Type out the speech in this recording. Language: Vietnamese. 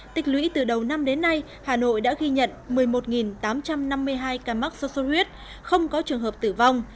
tịch lũy từ đầu năm đến nay hà nội đã ghi nhận một mươi một tám trăm năm mươi hai ca mắc sốt xuất huyết không có trường hợp tử vong